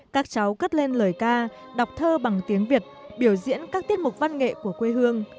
các cháu cất lên lời ca đọc thơ bằng tiếng việt biểu diễn các tiết mục văn nghệ của quê hương